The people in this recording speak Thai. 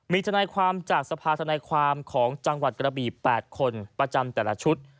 มีทนายความจากสภาธนายความของจังหวัดกระบี๘คนประจำแต่ละชุด